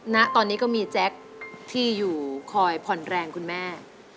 ณตอนนี้ก็มีแจ๊คที่อยู่คอยผ่อนแรงคุณแม่